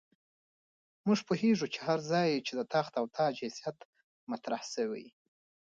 موږ پوهېږو هر ځای چې د تخت او تاج حیثیت مطرح شوی.